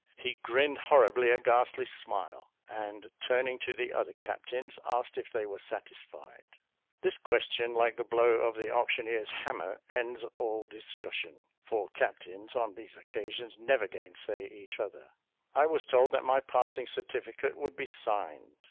"He grinned horribly a ghastly smile," and, turning to the other captains, asked if they were satisfied. This question, like the blow of the auctioneer's hammer, ends all discussion; for captains, on these occasions, never gainsay each other; I was told that my passing certificate would be signed.